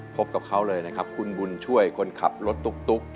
พบกับเขาเลยนะครับคุณบุญช่วยคนขับรถตุ๊ก